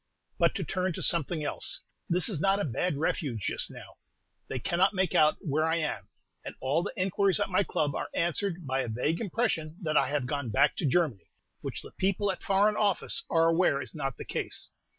But to turn to something else. This is not a bad refuge just now. They cannot make out where I am, and all the inquiries at my club are answered by a vague impression that I have gone back to Germany, which the people at F. O. are aware is not the case.